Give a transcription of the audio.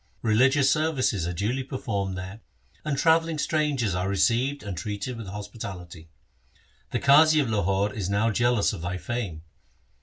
Religious services are duly per formed there, and travelling strangers are received and treated with hospitality. The Qazi of Lahore is now jealous of thy fame.